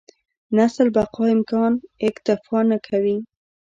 نسل بقا امکان اکتفا نه کوي.